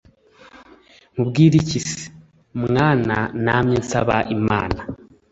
nkubwire iki se, mwana namye nsaba imana